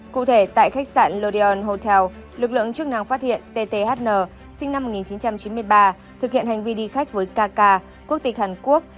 cụ thể tại khách sạn lodion hotel lực lượng chức năng phát hiện tthn sinh năm một nghìn chín trăm chín mươi ba thực hiện hành vi đi khách với kk quốc tịch hàn quốc